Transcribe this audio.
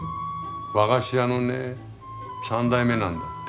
和菓子屋のね３代目なんだって。